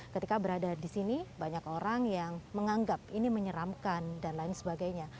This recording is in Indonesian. ketika berada di sini banyak orang yang menganggap ini menyeramkan dan lain sebagainya